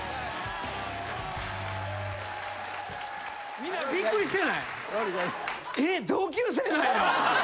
みんなびっくりしてない？